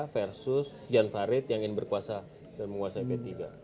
versus jan farid yang ingin berkuasa dan menguasai p tiga